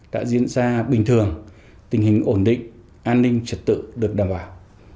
đã diễn ra bình thường tình hình ổn định an ninh trật tự được đảm bảo